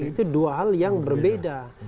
itu dua hal yang berbeda